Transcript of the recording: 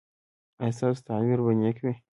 ایا ستاسو تعبیر به نیک وي؟